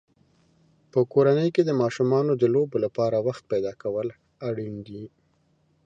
په کورنۍ کې د ماشومانو د لوبو لپاره وخت پیدا کول اړین دي.